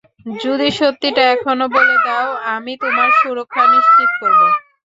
যদি সত্যিটা এখনও বলে দাও আমি তোমার সুরক্ষা নিশ্চিত করব।